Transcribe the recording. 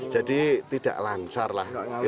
jadi tidak lancar lah